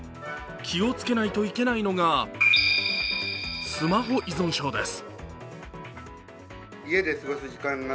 気をつけないといけないのがスマホ依存症です